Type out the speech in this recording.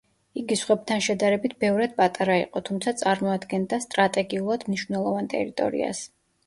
იგი სხვებთან შედარებით ბევრად პატარა იყო, თუმცა წარმოადგენდა სტრატეგიულად მნიშვნელოვან ტერიტორიას.